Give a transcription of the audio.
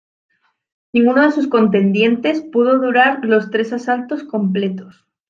Ninguno de sus contendientes pudo durar los tres asaltos completos.